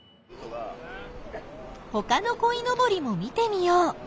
ほかのこいのぼりも見てみよう！